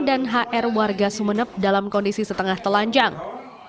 dan hr warga sumeneb dalam kondisi setengah telanjang di dalam satu kamar hotel